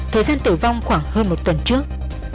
thời gian tử vong khoảng hơn một tuần trước